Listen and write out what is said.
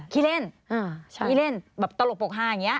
เครียดเล่นเล่นแบบตลกปกฮาอย่างนี้